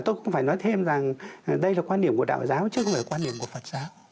tôi cũng phải nói thêm rằng đây là quan niệm của đạo giáo chứ không phải là quan niệm của pháp